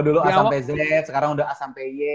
dulu a sampai z sekarang udah a sampai y